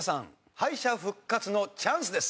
敗者復活のチャンスです。